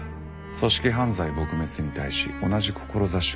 組織犯罪撲滅に対し同じ志を持つ同志でしょう？